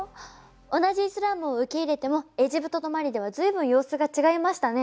同じイスラームを受け入れてもエジプトとマリではずいぶん様子が違いましたね。